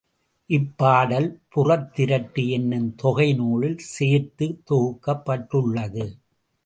இப்பாடல், புறத்திரட்டு என்னும் தொகை நூலில் சேர்த்துத் தொகுக்கப்பட்டுள்ளது.